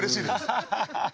ハハハハ！